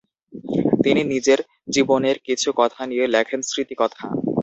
তিনি নিজের জীবনের কিছু কথা নিয়ে লেখেন'স্মৃতিকথা'।